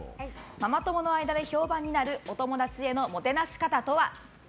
ママ友の間で評判になるお友達へのもてなし方とは？